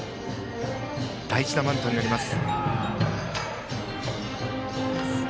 大事なバントになります。